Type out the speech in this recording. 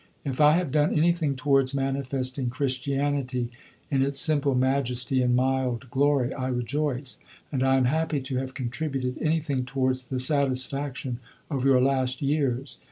If I have done anything towards manifesting Christianity in its simple majesty and mild glory I rejoice, and I am happy to have contributed anything towards the satisfaction of your last years.